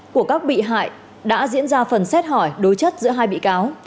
của các bị hại đã diễn ra phần xét hỏi đối chất giữa hai bị cáo